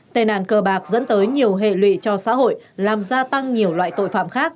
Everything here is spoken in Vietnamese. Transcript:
tên hàn cờ bạc dẫn tới nhiều hệ lụy cho xã hội làm gia tăng nhiều loại tội phạm khác